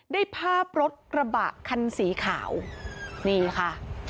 ได้ภาพรถกระบะคันสีขาวนี่ค่ะ